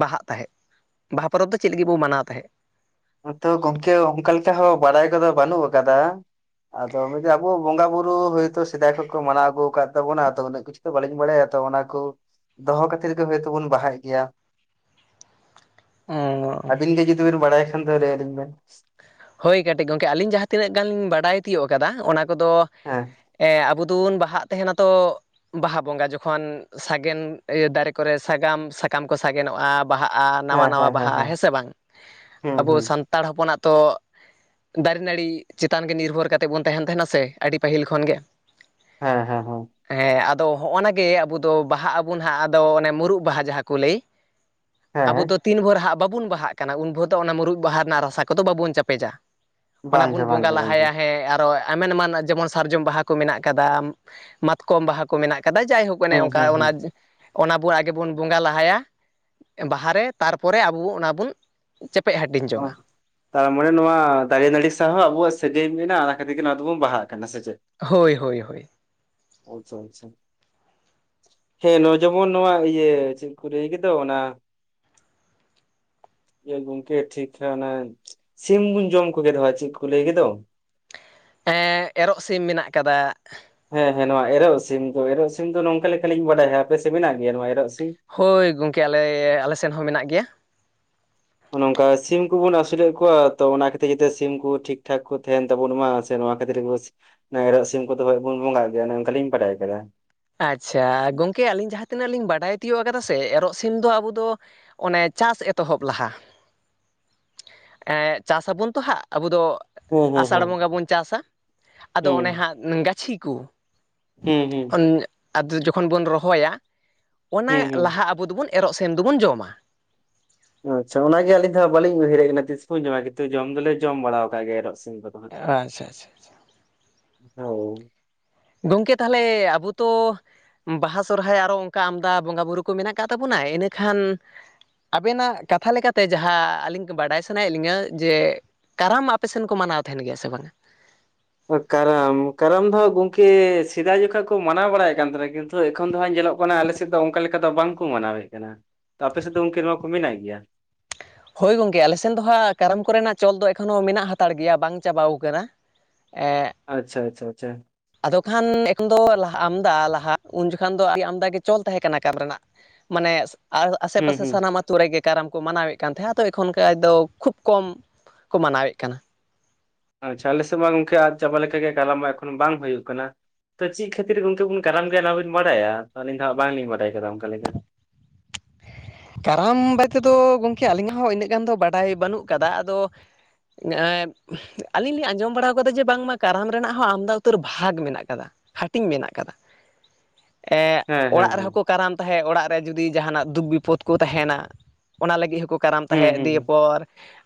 ᱵᱟᱦᱟᱜ ᱛᱟᱦᱮᱸᱫ ᱵᱟᱦᱟ ᱯᱚᱨᱚᱵᱽ ᱫᱚ ᱪᱮᱫ ᱞᱟᱹᱜᱤᱫ ᱵᱚ ᱢᱟᱱᱟᱣ ᱛᱟᱦᱮᱸᱫ ᱛᱚ ᱜᱚᱝᱠᱮ ᱚᱱᱠᱟ ᱞᱮᱠᱟ ᱦᱚᱸ ᱵᱟᱲᱟᱭ ᱠᱚᱫᱚ ᱵᱟᱹᱱᱩᱜ ᱟᱠᱟᱫᱟ᱾ ᱟᱫᱚ ᱢᱤᱫ ᱟᱵᱚ ᱵᱚᱸᱜᱟ ᱵᱩᱨᱩᱳ ᱦᱳᱭᱛᱳ ᱥᱮᱫᱟᱭ ᱠᱷᱚᱱᱚ ᱠᱚ ᱢᱟᱱᱟᱣ ᱟᱹᱜᱩ ᱟᱠᱟᱫ ᱛᱟᱵᱚᱱᱟ ᱟᱫᱚ ᱩᱱᱟᱹᱜ ᱩᱱᱟᱹᱜ ᱫᱚ ᱵᱟᱹᱞᱤᱧ ᱵᱟᱲᱟᱭᱟ ᱛᱚ᱾ᱚᱱᱟ ᱠᱚ ᱫᱚᱦᱚ ᱠᱷᱟᱹᱛᱤᱨ ᱜᱮ ᱦᱳᱭᱛᱳ ᱵᱚᱱ ᱵᱟᱦᱟ ᱜᱮᱭᱟ᱾ ᱚ ᱟᱹᱵᱤᱱ ᱜᱮ ᱡᱩᱫᱤ ᱵᱤᱱ ᱵᱟᱲᱟᱭ ᱠᱷᱟᱱ ᱫᱚ ᱞᱟᱹᱭ ᱟᱞᱤᱧ ᱵᱮᱱ ᱦᱳᱭ ᱠᱟᱹᱴᱤᱡ ᱜᱚᱢᱠᱮ᱾ ᱟᱹᱞᱤᱧ ᱡᱟᱦᱟᱸ ᱛᱤᱱᱟᱹᱜ ᱜᱟᱱ ᱞᱤᱧ ᱵᱟᱰᱟᱭ ᱛᱤᱭᱳᱜ ᱟᱠᱟᱫᱟ ᱚᱱᱟ ᱠᱚᱫᱚ ᱦᱮᱸ ᱟᱵᱚ ᱫᱚᱵᱚᱱ ᱵᱟᱦᱟᱜ ᱛᱟᱦᱮᱱᱟ ᱛᱚ ᱵᱟᱦᱟ ᱵᱚᱸᱜᱟ ᱡᱚᱠᱷᱚᱱ ᱥᱟᱜᱮᱱ ᱤᱭᱟᱹ ᱫᱟᱨᱮ ᱠᱚᱨᱮ ᱥᱟᱜᱟᱱ ᱥᱟᱠᱟᱢ ᱠᱚ ᱥᱟᱜᱮᱱᱚᱜᱼᱟ, ᱵᱟᱦᱟᱜᱼᱟ ᱱᱟᱣᱟ ᱱᱟᱣᱟ ᱵᱟᱦᱟ ᱦᱮᱸ ᱥᱮ ᱵᱟᱝ? ᱦᱩᱸ ᱟᱵᱚ ᱦᱩᱸ ᱥᱟᱱᱛᱟᱲ ᱦᱚᱯᱚᱱᱟᱜ ᱛᱚ ᱫᱟᱨᱮ ᱱᱟᱹᱲᱤ ᱪᱮᱛᱟᱱ ᱜᱮ ᱱᱤᱨᱵᱷᱚᱨ ᱠᱟᱛᱮᱫ ᱵᱚᱱ ᱛᱟᱦᱮᱱ ᱛᱟᱦᱮᱱᱟ ᱥᱮ ᱟᱹᱰᱤ ᱯᱟᱹᱦᱤᱞ ᱠᱷᱚᱱ ᱜᱮ ᱦᱮᱸ ᱦᱮᱸ ᱦᱮᱸ ᱦᱮᱸ ᱟᱫᱚ ᱦᱚᱜᱼ ᱱᱟᱜᱮ ᱟᱵᱚ ᱫᱚ ᱵᱟᱦᱟᱜ ᱟᱵᱚ ᱦᱟᱸᱜ ᱟᱫᱚ ᱚᱱᱮ ᱢᱩᱨᱩᱜ ᱵᱟᱦᱟ ᱡᱟᱦᱟᱸ ᱠᱚ ᱞᱟᱹᱭ ᱦᱮᱸ ᱟᱵᱚ ᱦᱮᱸ ᱫᱚ ᱛᱤᱱ ᱵᱷᱳᱨ ᱦᱟᱸᱜ ᱵᱟᱵᱚᱱ ᱵᱟᱦᱟᱜ ᱠᱟᱱᱟ᱾ᱩᱱ ᱵᱷᱳᱨ ᱫᱚ ᱚᱱᱟ ᱢᱩᱨᱩᱜ ᱵᱟᱦᱟ ᱨᱮᱱᱟᱜ ᱨᱟᱥᱟ ᱠᱚᱫᱚ ᱵᱟᱵᱚᱱ ᱪᱮᱯᱮᱡᱟ ᱚᱱᱟ ᱵᱟᱝᱜᱮ ᱵᱚᱱ ᱵᱚᱸᱜᱟ ᱵᱟᱝᱜᱮ ᱵᱟᱝᱜᱮ ᱞᱟᱦᱟᱭᱟ ᱦᱮᱸ ᱛᱚ ᱮᱢᱟᱱ ᱮᱢᱟᱱ ᱡᱮᱢᱚᱱ ᱥᱟᱨᱡᱚᱢ ᱵᱟᱦᱟ ᱠᱚ ᱢᱮᱱᱟᱜ ᱠᱟᱫᱟ, ᱢᱟᱛᱠᱚᱢ ᱵᱟᱦᱟ ᱠᱚ ᱢᱮᱱᱟᱜ ᱠᱟᱫᱟ ᱡᱟᱭᱦᱳᱠ ᱢᱮ ᱦᱩᱸ ᱦᱩᱸ ᱚᱱᱠᱟ ᱚᱱᱟ ᱦᱩᱸ [unintelligible] ᱚᱱᱟ ᱵᱚ ᱟᱜᱮ ᱵᱚᱱ ᱵᱚᱸᱜᱟ ᱞᱟᱦᱟᱭᱟ, ᱵᱟᱦᱟᱨᱮ ᱛᱟᱨᱯᱚᱨᱮ ᱟᱵᱚ ᱚᱱᱟ ᱵᱚᱱ ᱪᱮᱯᱮᱡ ᱦᱟᱹᱴᱤᱧ ᱚ ᱡᱚᱝ-ᱟ᱾ ᱛᱟᱨᱢᱟᱱᱮ ᱱᱚᱣᱟ ᱫᱟᱨᱮ ᱱᱟᱹᱲᱤ ᱥᱟᱶ ᱦᱚᱸ ᱟᱵᱚᱣᱟᱜ ᱥᱟᱜᱟᱹᱭ ᱢᱮᱱᱟᱜᱼᱟ᱾ᱚᱱᱟ ᱠᱷᱟᱹᱛᱤᱨ ᱜᱮ ᱱᱚᱣᱟ ᱫᱚᱵᱩᱱ ᱵᱟᱦᱟᱜ ᱠᱟᱱᱟ ᱥᱮ ᱪᱮᱫ ᱦᱳᱭ ᱦᱳᱭ ᱦᱳᱭ ᱟᱪᱷᱟ ᱟᱪᱷᱟ ᱾ ᱦᱮᱸ ᱱᱚ ᱡᱮᱢᱚᱱ ᱱᱚᱣᱟ ᱤᱭᱟᱹ ᱪᱮᱫ ᱠᱚ ᱞᱟᱹᱭ ᱠᱮᱫᱟ ᱚᱱᱟ [unintelligible] ᱠᱮ ᱴᱷᱤᱠ ᱦᱮ ᱚᱱᱮ ᱥᱤᱢ ᱵᱚᱱ ᱡᱚᱢ ᱠᱚᱜᱮ ᱫᱚ ᱪᱮᱫ ᱠᱚ ᱞᱟᱹᱭ ᱠᱮᱫᱚ ᱮᱻ ᱮᱨᱚᱜ ᱥᱤᱢ ᱢᱮᱱᱟᱜ ᱟᱠᱟᱫᱟ ᱾ ᱦᱮᱸ ᱦᱮᱸ ᱱᱚᱣᱟ ᱮᱨᱚᱜ ᱥᱤᱢ ᱫᱚ ᱮᱨᱚᱜ ᱥᱤᱢ ᱫᱚ ᱱᱚᱝᱠᱟ ᱞᱮᱠᱟ ᱞᱤᱧ ᱵᱟᱰᱟᱭᱟ ᱟᱯᱮ ᱥᱮᱜ ᱢᱮᱱᱟᱜ ᱜᱮᱭᱟ ᱱᱚᱣᱟ ᱮᱨᱚᱜ ᱥᱤᱢ ᱾ ᱦᱚᱭ ᱜᱚᱢᱠᱮ ᱟᱞᱮ ᱟᱞᱮ ᱥᱮᱱ ᱦᱚᱸ ᱢᱮᱱᱟᱜ ᱜᱮᱭᱟ ᱾ ᱱᱚᱝᱠᱟ ᱥᱤᱢ ᱠᱚᱵᱚᱱ ᱟᱹᱥᱩ ᱞᱮᱫ ᱠᱚᱣᱟ ᱛᱚ ᱚᱱᱟ ᱠᱷᱟᱹᱛᱤᱨ ᱡᱮᱛᱮ ᱥᱤᱢ ᱠᱚ ᱴᱷᱤᱠ ᱴᱷᱟᱠ ᱠᱚ ᱛᱟᱦᱮᱱ ᱛᱟᱵᱚᱱ ᱢᱟ ᱱᱚᱣᱟ ᱠᱷᱟᱹᱛᱤᱨ ᱜᱮ ᱵᱟᱹᱥ ᱱᱚᱣᱟ ᱮᱨᱚᱜ ᱥᱤᱢ ᱠᱚᱫᱚ ᱵᱚᱱ ᱵᱚᱸᱜᱟᱜ ᱜᱮᱭᱟ ᱚᱱᱮ ᱚᱱᱠᱟ ᱞᱤᱧ ᱵᱟᱰᱟᱭ ᱟᱠᱟᱫᱟ ᱟᱪᱷᱟ ᱜᱚᱝᱠᱮ ᱟᱹᱞᱤᱧ ᱡᱟᱦᱟᱸ ᱛᱤᱱᱟᱹᱜ ᱞᱤᱧ ᱵᱟᱰᱟᱭ ᱛᱤᱭᱳᱜ ᱟᱠᱟᱫᱟ ᱥᱮ ᱮᱨᱚᱜ ᱥᱤᱢ ᱫᱚ ᱟᱵᱚ ᱫᱚ ᱚᱱᱮ ᱪᱟᱥ ᱮᱛᱚᱦᱚᱵ ᱞᱟᱦᱟ ᱪᱟᱥ ᱟᱵᱚᱱ ᱛᱚ ᱦᱟᱸᱜ ᱟᱵᱚ ᱫᱚ ᱟᱥᱟᱲ ᱵᱚᱸᱜᱟ ᱵᱚᱱ ᱪᱟᱥᱟ ᱟᱫᱚ ᱚᱱᱮ ᱦᱟᱸᱜ ᱜᱟᱹᱪᱷᱤ ᱠᱚ ᱦᱩᱸ ᱦᱩᱸ ᱟᱫᱚ ᱡᱚᱠᱷᱚᱱ ᱵᱚᱱ ᱨᱚᱦᱚᱭᱟ ᱚᱱᱟ ᱦᱩᱸ ᱦᱩᱸ ᱦᱩᱸ ᱦᱩᱸ ᱞᱟᱦᱟ ᱟᱵᱚ ᱫᱚᱵᱚᱱ ᱮᱨᱚᱜ ᱥᱮᱱ ᱫᱚᱵᱚᱱ ᱡᱚᱢᱟ ᱚᱻ ᱟᱪᱪᱷᱟ ᱚᱱᱟ ᱜᱮ ᱟᱹᱞᱤᱧ ᱫᱚ ᱵᱟᱹᱞᱤᱧ ᱩᱭᱦᱟᱹᱨᱮᱜᱼᱟ ᱛᱤᱥ ᱠᱚᱹᱧ ᱡᱚᱢᱟ ᱠᱤᱱᱛᱩ ᱡᱚᱢ ᱫᱚᱞᱮ ᱡᱚᱢ ᱵᱟᱲᱟ ᱣᱟᱠᱟᱜ ᱜᱮᱭᱟ ᱮᱨᱚᱜ ᱥᱤᱢ ᱠᱚᱫᱚ ᱦᱟᱸᱜ ᱟᱪᱷᱟ ᱟᱪᱷᱟᱪᱷᱟ ᱾ ᱦᱳᱭ ᱜᱚᱢᱠᱮ ᱛᱟᱦᱞᱮ ᱟᱵᱚ ᱛᱚ ᱵᱟᱦᱟ ᱥᱚᱨᱦᱟᱭ ᱟᱨ ᱦᱚᱸ ᱚᱱᱠᱟ ᱟᱢᱫᱟ ᱵᱚᱸᱜᱟ-ᱵᱩᱨᱩ ᱠᱚ ᱢᱮᱱᱟᱜ ᱠᱟᱜ ᱛᱟᱵᱚᱱᱟ ᱮᱱᱠᱷᱟᱱ ᱟᱹᱵᱮᱱᱟᱜ ᱠᱟᱛᱷᱟ ᱞᱮᱠᱟᱛᱮ ᱡᱟᱦᱟᱸ ᱟᱹᱞᱤᱧ ᱠᱮ ᱵᱟᱰᱟᱭ ᱥᱟᱱᱟᱭᱮᱫ ᱞᱤᱧᱟᱹ ᱡᱮ ᱠᱟᱨᱟᱢ ᱟᱯᱮ ᱥᱮᱱ ᱠᱚ ᱢᱟᱱᱟᱣ ᱛᱟᱦᱮᱱ ᱜᱮᱭᱟ ᱥᱮ ᱵᱟᱝᱟ? ᱠᱟᱨᱟᱢ ᱠᱟᱨᱟᱢ ᱫᱚ ᱜᱚᱢᱠᱮ ᱥᱮᱫᱟᱭ ᱡᱚᱠᱷᱚᱱ ᱠᱚ ᱢᱟᱱᱟᱣ ᱵᱟᱲᱟᱭᱮᱫ ᱠᱟᱱ ᱛᱟᱦᱮᱱᱟ ᱠᱤᱱᱛᱩ ᱾ ᱛᱚ ᱮᱠᱷᱚᱱ ᱫᱚ ᱦᱟᱸᱜ ᱧᱮᱞᱚᱜ ᱠᱟᱱᱟ ᱟᱞᱮ ᱥᱮᱫ ᱫᱚ ᱚᱱᱠᱟ ᱞᱮᱠᱟ ᱫᱚ ᱵᱟᱝᱠᱚ ᱢᱟᱱᱟᱣᱮᱫ ᱠᱟᱱᱟ ᱾ ᱛᱚ ᱟᱯᱮ ᱥᱮᱫ ᱫᱚ ᱜᱚᱢᱠᱮ ᱱᱚᱣᱟ ᱠᱚ ᱢᱮᱱᱟᱜ ᱜᱮᱭᱟ ᱾ ᱦᱚᱭ ᱜᱚᱝᱠᱮ ᱟᱞᱮ ᱥᱮᱱ ᱫᱚ ᱦᱟᱸᱜ ᱠᱟᱨᱟᱢ ᱠᱚᱨᱮᱱᱟᱜ ᱪᱚᱞ ᱫᱚ ᱮᱠᱷᱚᱱ ᱦᱚᱸ ᱢᱮᱱᱟᱜ ᱦᱟᱛᱟᱲ ᱜᱮᱭᱟ ᱵᱟᱝ ᱪᱟᱵᱟᱣ ᱟᱠᱟᱱᱟ ᱾ ᱮᱸᱻ ᱟᱪᱷᱟ ᱟᱪᱷᱟ ᱟᱪᱷᱟ ᱾ ᱟᱫᱚ ᱠᱷᱟᱱ ᱮᱠᱷᱚᱱ ᱫᱚ ᱟᱢᱫᱟ ᱞᱟᱦᱟ ᱩᱱ ᱡᱚᱠᱷᱟᱱ ᱫᱚ ᱟᱢᱫᱟ ᱜᱮ ᱪᱚᱞ ᱛᱟᱦᱮᱸ ᱠᱟᱱᱟ ᱠᱟᱢ ᱨᱮᱱᱟᱜ ᱢᱟᱱᱮ ᱦᱩᱸ ᱟᱥᱮ-ᱯᱟᱥᱮ ᱦᱩᱸ ᱥᱟᱱᱟᱢᱟ ᱟᱛᱳ ᱨᱮᱜᱮ ᱠᱟᱨᱟᱢ ᱠᱚ ᱢᱟᱱᱟᱣᱮᱫ ᱠᱟᱱ ᱛᱟᱦᱮᱸ ᱦᱟᱸᱜ ᱛᱚ ᱮᱠᱷᱚᱱ ᱠᱮ ᱟᱡᱫᱚ ᱠᱷᱩᱵ ᱠᱚᱢ ᱠᱚ ᱢᱟᱱᱟᱣᱮᱫ ᱠᱟᱱᱟ ᱟᱪᱷᱟ ᱟᱞᱮ ᱥᱮᱫ ᱢᱟ ᱜᱚᱢᱠᱮ ᱟᱫ ᱪᱟᱵᱟ ᱞᱮᱠᱟ ᱜᱮ‌ ᱠᱟᱨᱟᱢ ᱢᱟ ᱮᱠᱷᱚᱱ ᱵᱟᱝ ᱦᱩᱭᱩᱜ ᱠᱟᱱᱟ ᱾ ᱛᱚ ᱪᱮᱫ ᱠᱷᱟᱹᱛᱤᱨ ᱜᱮ ᱜᱚᱢᱠᱮ ᱵᱚᱱ ᱠᱟᱨᱟᱢ ᱜᱮᱭᱟ ᱚᱱᱟ ᱵᱤᱱ ᱵᱟᱰᱟᱭᱟ ᱛᱚ ᱟᱹᱞᱤᱧ ᱫᱚ ᱵᱟᱝᱞᱤᱧ ᱵᱟᱰᱟᱭ ᱠᱮᱫᱟ ᱚᱱᱠᱟ ᱞᱮᱠᱟ ᱠᱟᱨᱟᱢ ᱵᱟᱨᱮ ᱛᱮᱫᱚ ᱜᱚᱢᱠᱮ ᱟᱹᱞᱤᱧᱟᱜ ᱦᱚᱸ ᱤᱱᱟᱹᱜ ᱜᱟᱱ ᱫᱚ ᱵᱟᱰᱟᱭ ᱵᱟᱹᱱᱩᱜ ᱠᱟᱫᱟ ᱟᱫᱚ ᱡᱟᱦᱟᱸᱭ ᱟᱹᱞᱤᱧ ᱞᱤᱧ ᱟᱸᱡᱚᱢ ᱵᱟᱲᱟ ᱟᱠᱟᱫᱟ ᱡᱮ ᱵᱟᱝᱢᱟ ᱠᱟᱨᱟᱢ ᱨᱮᱱᱟᱜ ᱦᱚᱸ ᱟᱢᱫᱟ ᱩᱛᱟᱹᱨ ᱵᱷᱟᱜᱽ ᱢᱮᱱᱟᱜ ᱟᱠᱟᱫᱟ ᱾ ᱦᱟᱹᱴᱤᱧ ᱢᱮᱱᱟᱜ ᱟᱠᱟᱫᱟ ᱾ [unintelligible] ᱮᱻ ᱦᱮᱸ ᱦᱮᱸ ᱚᱲᱟᱜ ᱦᱮᱸ ᱦᱩᱸ ᱨᱮᱦᱚᱸ ᱠᱚ ᱠᱟᱨᱟᱢ ᱛᱟᱦᱮᱸᱫ ᱚᱲᱟᱜ ᱨᱮ ᱡᱩᱫᱤ ᱡᱟᱦᱟᱱᱟᱜ ᱫᱩᱠ ᱵᱤᱯᱚᱫ ᱠᱚ ᱛᱟᱦᱮᱱᱟ ᱾ ᱚᱱᱟ ᱞᱟᱹᱜᱤᱫ ᱦᱚᱸᱠᱚ ᱠᱟᱨᱟᱢ ᱦᱩᱸ ᱛᱟᱦᱮᱸᱫ ᱦᱩᱸ ᱫᱤᱭᱮ ᱯᱚᱨ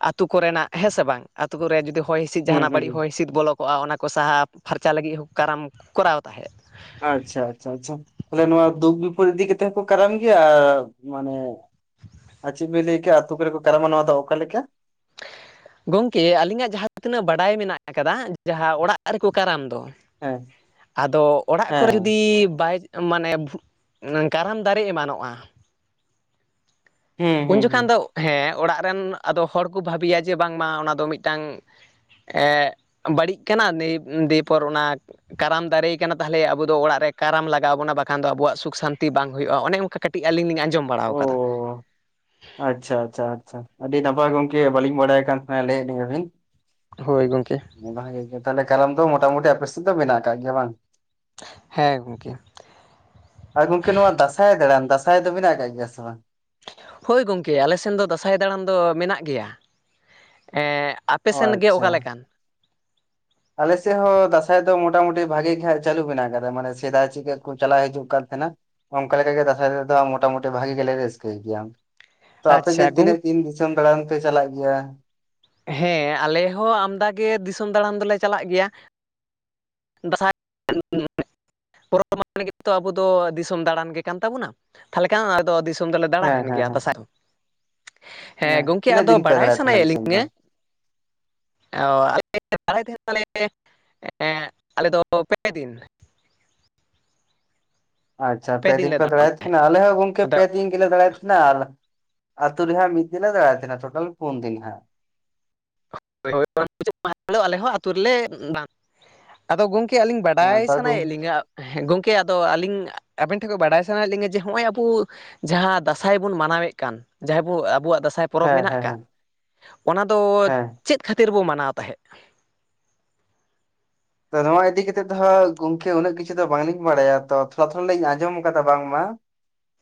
ᱟᱹᱛᱩ ᱠᱚᱨᱮᱱᱟᱜ ᱦᱮᱸ ᱥᱮ ᱵᱟᱝ ᱾ ᱟᱹᱛᱩ ᱠᱚᱨᱮ ᱡᱩᱫᱤ ᱦᱚᱭ ᱦᱤᱸᱥᱤᱫ ᱦᱩᱸ ᱡᱟᱦᱟᱱᱟᱜ ᱦᱩᱸ ᱵᱟᱹᱲᱤᱡ ᱦᱩᱸ ᱦᱚᱭ ᱦᱤᱸᱥᱤᱫ ᱵᱚᱞᱚ ᱠᱚᱜᱼᱟ ᱚᱱᱟ ᱠᱚ ᱥᱟᱦᱟ ᱯᱷᱟᱨᱪᱟ ᱞᱟᱹᱜᱤᱫ ᱦᱚᱸ ᱠᱟᱨᱟᱢ ᱠᱚᱨᱟᱣ ᱛᱟᱦᱮᱸᱫ ᱟᱪᱷᱟ ᱟᱪᱷᱟ ᱟᱪᱷᱟ ᱛᱟᱦᱚᱞᱮ ᱱᱚᱣᱟ ᱫᱩᱠ ᱵᱤᱯᱚᱫ ᱤᱫᱤ ᱠᱟᱛᱮᱜ ᱦᱚᱸᱠᱚ ᱠᱟᱨᱟᱢ ᱜᱮᱭᱟ ᱟᱨ ᱢᱟᱱᱮ ᱟᱨ ᱪᱮᱜ ᱵᱤᱱ ᱞᱟᱹᱭ ᱠᱮᱜᱼᱟ ᱟᱹᱛᱩ ᱠᱚᱨᱮ ᱠᱚ ᱠᱟᱨᱟᱢᱟ ᱱᱟᱣᱟ ᱫᱚ ᱚᱠᱟ ᱞᱮᱠᱟ ᱜᱚᱝᱠᱮ ᱟᱹᱞᱤᱧᱟᱜ ᱡᱟᱦᱟᱸ ᱛᱤᱱᱟᱹᱜ ᱵᱟᱰᱟᱭ ᱢᱮᱱᱟᱜ ᱟᱠᱟᱫᱟ ᱡᱟᱦᱟᱸ ᱚᱲᱟᱜ ᱨᱮᱠᱚ ᱠᱟᱨᱟᱢ ᱫᱚ ᱦᱮᱸ ᱟᱫᱚ ᱚᱲᱟᱜ ᱠᱚᱨᱮ ᱦᱮᱸ ᱡᱩᱫᱤ ᱵᱟᱭ ᱢᱟᱱᱮ ᱠᱟᱨᱟᱢ ᱫᱟᱨᱮ ᱮᱢᱟᱱᱚᱜᱼᱟ᱾ ᱦᱮᱸ ᱩᱱ ᱦᱮᱸ ᱦᱮᱸ ᱡᱚᱠᱷᱟᱱ ᱫᱚ ᱦᱮᱸ ᱚᱲᱟᱜ ᱨᱮᱱ ᱟᱫᱚ ᱦᱚᱲ ᱠᱚ ᱵᱷᱟᱹᱵᱤᱭᱟ ᱡᱮ ᱵᱟᱝᱢᱟ ᱚᱱᱟ ᱫᱚ ᱢᱤᱫᱴᱟᱹᱝ ᱮ ᱵᱟᱹᱲᱤᱡ ᱠᱟᱱᱟ ᱱᱩᱭ ᱫᱤᱯᱚᱨ ᱚᱱᱟ ᱠᱟᱨᱟᱢ ᱫᱟᱨᱮᱭ ᱠᱟᱱᱟ ᱛᱟᱦᱚᱞᱮ ᱟᱵᱚ ᱫᱚ ᱠᱟᱨᱟᱢ ᱫᱟᱨᱮ ᱟᱠᱟᱱᱟ ᱛᱟᱦᱞᱮ ᱟᱹᱵᱚ ᱫᱚ ᱚᱲᱟᱜ ᱨᱮ ᱠᱟᱨᱟᱢ ᱞᱟᱜᱟᱣ ᱟᱵᱚᱱᱟ ᱵᱟᱠᱷᱟᱱ ᱫᱚ ᱟᱵᱚᱣᱟᱜ ᱥᱩᱠ ᱥᱟᱱᱛᱤ ᱵᱟᱝ ᱦᱩᱭᱩᱜᱼᱟ ᱚᱱᱮ ᱚᱱᱠᱟ ᱠᱟᱹᱴᱤᱡ ᱟᱹᱞᱤᱧ ᱞᱤᱧ ᱟᱸᱡᱚᱢ ᱵᱟᱲᱟᱣ ᱚ ᱟᱠᱟᱫᱟ ᱟᱪᱪᱷᱟ ᱟᱪᱪᱷᱟ ᱟᱪᱪᱷᱟ ᱟᱹᱰᱤ ᱱᱟᱯᱟᱭ ᱜᱚᱝᱠᱮ ᱵᱟᱹᱞᱤᱧ ᱵᱟᱰᱟᱭ ᱠᱟᱱ ᱛᱟᱦᱮᱱ ᱞᱟᱹᱭ ᱟᱹᱞᱤᱧᱟ ᱵᱤᱱ ᱦᱚᱭ ᱜᱚᱝᱠᱮ ᱾ ᱚᱱᱟ ᱜᱮ [unintelligible] ᱠᱟᱨᱟᱢ ᱫᱚ ᱢᱚᱴᱟᱢᱩᱴᱤ ᱟᱯᱮ ᱥᱮᱫ ᱫᱚ ᱢᱮᱱᱟᱜ ᱟᱠᱟᱫ ᱜᱮᱭᱟ ᱵᱟᱝ ᱦᱮᱸ ᱜᱚᱢᱠᱮ ᱾ ᱟᱨ ᱜᱚᱝᱠᱮ ᱱᱚᱣᱟ ᱫᱟᱥᱟᱸᱭ ᱫᱟᱬᱟᱱ ᱫᱟᱥᱟᱸᱟᱭ ᱫᱚ ᱢᱮᱱᱟᱜ ᱟᱠᱟᱫ ᱜᱮᱭᱟ ᱥᱮ ᱵᱟᱝ ᱦᱳᱭ ᱜᱚᱝᱠᱮ ᱟᱞᱮ ᱥᱮᱱ ᱫᱚ ᱫᱟᱸᱥᱟᱭ ᱫᱟᱬᱟᱱ ᱫᱚ ᱢᱮᱱᱟᱜ ᱜᱮᱭᱟ ᱾ ᱟᱯᱮ ᱚ ᱥᱮᱱ ᱜᱮ ᱟᱪᱪᱷᱟ ᱚᱠᱟ ᱞᱮᱠᱟᱱ? ᱟᱞᱮ ᱥᱮᱫ ᱦᱚᱸ ᱫᱟᱥᱟᱸᱭ ᱫᱚ ᱢᱚᱴᱟ ᱢᱩᱴᱤ ᱵᱷᱟᱜᱮ ᱜᱮ ᱪᱟᱹᱞᱩ ᱢᱮᱱᱟᱜ ᱟᱠᱟᱫᱟ ᱢᱟᱱᱮ ᱥᱮᱫᱟᱭ ᱪᱤᱼᱠᱟᱹ ᱠᱚ ᱪᱟᱞᱟᱣ ᱦᱤᱡᱩᱜ ᱠᱟᱱ ᱛᱟᱦᱮᱸᱱᱟ ᱾ ᱚᱱᱠᱟ ᱞᱮᱠᱟ ᱜᱮ ᱫᱟᱥᱟᱸᱭ ᱫᱚ ᱢᱚᱴᱟᱢᱩᱴᱤ ᱵᱷᱟᱜᱤ ᱜᱮᱞᱮ ᱨᱟᱹᱥᱠᱟᱹᱭ ᱜᱮᱭᱟ ᱾ ᱛᱚ ᱟᱯᱮ ᱜᱮ ᱟᱪᱪᱷᱟ ᱜᱚᱝ ᱛᱤᱱᱟᱹᱜ ᱫᱤᱱ ᱫᱤᱥᱚᱢ ᱫᱟᱬᱟᱱ ᱯᱮ ᱪᱟᱞᱟᱜ ᱜᱮᱭᱟ? ᱦᱮᱸ ᱟᱞᱮ ᱦᱚᱸ ᱟᱢᱫᱟ ᱜᱮ ᱫᱤᱥᱚᱢ ᱫᱟᱬᱟᱱ ᱫᱚᱞᱮ ᱪᱟᱞᱟᱜ ᱜᱮᱭᱟ ᱫᱟᱸᱥᱟᱭ [unintelligible] ᱯᱚᱨᱚᱵᱽ [unintelligible] ᱟᱵᱚ ᱫᱚ ᱫᱤᱥᱚᱢ ᱫᱟᱬᱟᱱ ᱜᱮ ᱠᱟᱱ ᱛᱟᱵᱚᱱᱟ ᱛᱟᱦᱚᱞᱮ ᱠᱷᱟᱱ ᱫᱤᱥᱚᱢ ᱫᱤᱥᱚᱢ ᱫᱚᱞᱮ ᱫᱟᱬᱟᱭ ᱦᱮᱸ ᱛᱟᱦᱮᱱ ᱦᱮᱸ ᱜᱮᱭᱟ ᱦᱮᱸ ᱫᱟᱸᱥᱟᱭ ᱦᱮᱸ ᱜᱚᱝᱠᱮ ᱛᱤᱱᱟᱹᱜ ᱟᱫᱚ ᱫᱤᱱ ᱯᱮ ᱵᱟᱲᱟᱭ ᱫᱟᱬᱟᱭ ᱛᱟᱦᱮᱸᱱᱟ ᱥᱟᱱᱟᱭᱮᱫ ᱫᱤᱥᱚᱢ ᱫᱚ ᱞᱤᱧᱟ ᱚᱻ ᱟᱞᱮ ᱵᱟᱲᱟᱭ ᱛᱟᱦᱮᱱᱟ ᱞᱮ ᱟᱞᱮᱫ ᱫᱚ ᱯᱮ ᱫᱤᱱ ᱾ ᱟᱪᱪᱷᱟ ᱾ ᱯᱮ ᱫᱤᱱ ᱯᱮ ᱫᱟᱲᱟᱭᱮᱫ ᱛᱟᱦᱮᱱᱟ ᱾ ᱟᱞᱮ ᱦᱚᱸ ᱜᱚᱝᱠᱮ ᱯᱮ ᱫᱟᱬᱟᱱᱟ ᱫᱤᱱ ᱾ ᱫᱟᱲᱟᱭᱮᱫ ᱛᱟᱦᱮᱱᱟ ᱟᱨ ᱟᱛᱩ ᱨᱮ ᱦᱟᱸᱜ ᱢᱤᱫ ᱫᱤᱱ ᱞᱮ ᱫᱟᱲᱟᱭᱮᱫ ᱛᱟᱦᱮᱱ ᱦᱟᱸᱜ ᱴᱳᱴᱟᱞ ᱯᱩᱱ ᱫᱤᱱ ᱦᱟᱸᱜ ᱾ [unintelligible] ᱟᱞᱮ ᱦᱚᱸ ᱟᱹᱛᱩ ᱦᱚᱸ ᱨᱮᱞᱮ ᱫᱟᱬᱟ ᱟᱫᱚ ᱜᱚᱝᱠᱮ ᱟᱹᱞᱤᱧ ᱦᱟᱸᱜ ᱵᱟᱰᱟᱭ ᱛᱟᱨ ᱥᱟᱱᱟᱭᱮᱫ ᱞᱤᱧᱟᱹ ᱦᱮᱸ ᱜᱚᱝᱠᱮ ᱟᱫᱚ ᱟᱹᱞᱤᱧ ᱟᱵᱮᱱ ᱴᱷᱮᱱ ᱠᱷᱚᱱ ᱵᱟᱰᱟᱭ ᱥᱟᱱᱟᱭᱮᱫ ᱞᱤᱧᱟ ᱡᱮ ᱱᱚᱜᱼᱚᱭ ᱟᱵᱚ ᱡᱟᱦᱟᱸ ᱫᱟᱸᱥᱟᱭ ᱵᱚᱱ ᱢᱟᱱᱟᱣᱮᱫ ᱠᱟᱱ ᱡᱟᱦᱟᱸ ᱟᱵᱚ ᱟᱵᱚᱣᱟᱜ ᱫᱟᱸᱥᱟᱭ ᱯᱚᱨᱚᱵᱽ ᱦᱮᱸ ᱢᱮᱱᱟᱜ ᱦᱮᱸ ᱟᱠᱟᱫ ᱦᱮᱸ ᱚᱱᱟ ᱫᱚ ᱦᱮᱸ ᱪᱮᱫ ᱠᱷᱟᱹᱛᱤᱨ ᱵᱚ ᱢᱟᱱᱟᱣ ᱛᱟᱦᱮᱸᱫ? ᱛᱚ ᱱᱚᱣᱟ ᱤᱫᱤ ᱠᱟᱛᱮ ᱫᱚ ᱦᱟᱸᱜ ᱜᱚᱝᱠᱮ ᱩᱱᱟᱹᱜ ᱠᱤᱪᱷᱩ ᱫᱚ ᱵᱟᱝᱞᱤᱧ ᱵᱟᱲᱟᱭᱟ ᱛᱚ ᱛᱷᱚᱲᱟ ᱛᱷᱚᱲᱟ ᱞᱤᱧ ᱟᱸᱡᱚᱢ ᱠᱟᱫᱟ ᱵᱟᱝ ᱢᱟ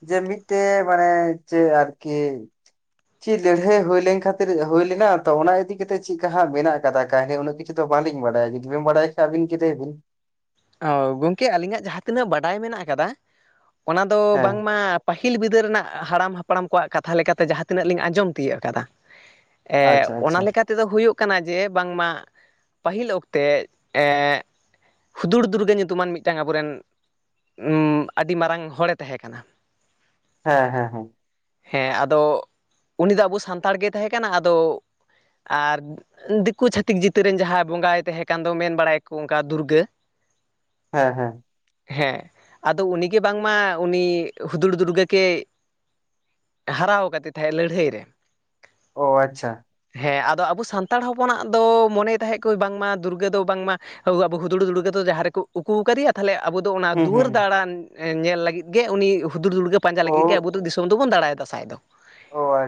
ᱡᱮ ᱢᱤᱫᱴᱮᱡ ᱢᱟᱱᱮ ᱪᱮᱫ ᱟᱨᱠᱤ ᱪᱮᱫ ᱞᱟᱹᱲᱦᱟᱹᱭ ᱦᱩᱭ ᱞᱮᱱ ᱠᱷᱟᱹᱛᱤᱨ ᱦᱩᱭ ᱞᱮᱱᱟ ᱛᱚ ᱚᱱᱟ ᱤᱫᱤ ᱠᱟᱛᱮ ᱪᱮᱫᱼᱠᱟ ᱦᱟᱸᱜ ᱢᱮᱱᱟᱜ ᱟᱠᱟᱫᱟ ᱠᱟᱦᱱᱤ ᱩᱱᱟᱹᱜ ᱪᱮᱫ ᱦᱚᱸ ᱵᱟᱹᱞᱤᱧ ᱵᱟᱰᱟᱭ ᱡᱩᱫᱤ ᱵᱮᱱ ᱵᱟᱲᱟᱭ ᱠᱷᱟᱱ ᱟᱵᱤᱱ ᱜᱮ ᱞᱟᱹᱭ ᱵᱤᱱ ᱚ ᱜᱚᱝᱠᱮ ᱟᱹᱞᱤᱧᱟᱜ ᱡᱟᱦᱟᱸ ᱛᱤᱱᱟᱹᱜ ᱵᱟᱰᱟᱭ ᱢᱮᱱᱟᱜ ᱟᱠᱟᱫᱟ ᱚᱱᱟ ᱫᱚ ᱦᱮᱸ ᱵᱟᱝᱢᱟ ᱯᱟᱹᱦᱤᱞ ᱵᱤᱫᱟᱹᱞ ᱨᱮᱱᱟᱜ ᱦᱟᱲᱟᱢ ᱦᱟᱯᱲᱟᱢ ᱠᱚᱣᱟᱜ ᱠᱟᱛᱷᱟ ᱞᱮᱠᱟᱛᱮ ᱡᱟᱦᱟᱸ ᱛᱤᱱᱟᱹᱜ ᱞᱤᱧ ᱟᱸᱡᱚᱢ ᱛᱤᱭᱳᱟᱹᱜ ᱟᱠᱟᱫᱟ ᱮ ᱟᱪᱪᱷᱟ ᱚᱱᱟ ᱟᱪᱪᱷᱟ ᱞᱮᱠᱟ ᱛᱮᱫᱚ ᱦᱩᱭᱩᱜ ᱠᱟᱱᱟ ᱡᱮ ᱵᱟᱝᱢᱟ ᱯᱟᱹᱦᱤᱞ ᱚᱠᱛᱮ ᱮᱻ ᱦᱩᱫᱩᱲ ᱫᱩᱨᱜᱟᱹ ᱧᱩᱛᱩᱢᱟᱱ ᱢᱤᱫᱴᱟᱝ ᱟᱵᱚᱨᱮᱱ ᱟᱹᱰᱤ ᱢᱟᱨᱟᱝ ᱦᱚᱲᱮ ᱛᱟᱦᱮᱸ ᱠᱟᱱᱟ ᱾ ᱦᱮᱸ ᱦᱮᱸ ᱦᱮᱸ ᱾ ᱦᱮᱸ ᱟᱫᱚ ᱩᱱᱤ ᱫᱚ ᱟᱵᱚ ᱥᱟᱱᱛᱟᱲ ᱜᱮ ᱛᱟᱦᱮᱸ ᱠᱟᱱᱟ ᱟᱫᱚ ᱟᱨ ᱫᱤᱠᱩ ᱪᱷᱟᱹᱛᱤᱠ ᱡᱤᱛᱟᱹ ᱨᱮᱱ ᱡᱟᱦᱟᱸᱭ ᱵᱚᱸᱜᱟᱭ ᱛᱟᱦᱮᱸ ᱠᱟᱱ ᱫᱚ ᱢᱮᱱ ᱵᱟᱲᱟᱭᱟᱠᱚ ᱚᱱᱠᱟ ᱫᱩᱨᱜᱟᱹ ᱦᱮᱸ ᱦᱮᱸ ᱾ ᱦᱮᱸ᱾ ᱟᱫᱚ ᱩᱱᱤ ᱜᱮ ᱵᱟᱝ ᱢᱟ ᱩᱱᱤ ᱦᱩᱫᱩᱲ ᱫᱩᱨᱜᱟᱹ ᱠᱮ ᱦᱟᱨᱟᱣ ᱠᱟᱫᱮ ᱛᱟᱦᱮᱸᱜ ᱞᱟᱹᱲᱦᱟᱹᱭ ᱨᱮ ᱚ ᱟᱪᱪᱷᱟ ᱾ ᱦᱮᱸ ᱟᱫᱚ ᱟᱵᱚ ᱥᱟᱱᱛᱟᱲ ᱦᱚᱯᱚᱱᱟᱜ ᱫᱚ ᱢᱚᱱᱮ ᱛᱟᱦᱮᱸᱫ ᱠᱚ ᱵᱟᱝ ᱢᱟ ᱫᱩᱨᱜᱟᱹ ᱫᱚ ᱵᱟᱝ ᱢᱟ ᱟᱵᱚ ᱦᱩᱫᱩᱲ ᱫᱩᱨᱜᱟᱹ ᱡᱟᱦᱟᱸ ᱨᱮᱠᱚ ᱩᱠᱩ ᱟᱠᱟᱫᱮᱭᱟ ᱛᱟᱦᱚᱞᱮ ᱟᱵᱚ ᱫᱚ ᱚᱱᱟ ᱦᱩᱸ ᱫᱩᱣᱟᱹᱨ ᱦᱩᱸ ᱫᱟᱬᱟᱱ ᱧᱮᱞ ᱞᱟᱹᱜᱤᱫ ᱜᱮ ᱩᱱᱤ ᱦᱩᱫᱩᱲᱫᱩᱨᱜᱟᱹ ᱜᱮ ᱯᱟᱸᱡᱟ ᱚ ᱞᱟᱹᱜᱤᱫ ᱜᱮ ᱟᱵᱚ ᱫᱤᱥᱚᱢ ᱵᱚᱱ ᱫᱟᱲᱟᱭ ᱫᱟᱸᱥᱟᱭ ᱫᱚ [unintelligible]